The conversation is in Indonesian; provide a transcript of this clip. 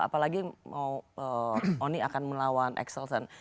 apalagi mau oni akan melawan axelson